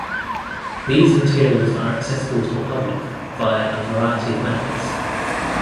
These materials are accessible to the public via a variety of methods.